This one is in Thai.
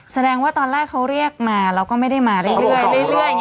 แสดงว่าตอนแรกเขาเรียกมาเราก็ไม่ได้มาเรื่อย